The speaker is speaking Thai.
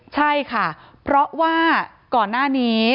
ใช่ค่ะเพราะว่าก่อนหน้านี้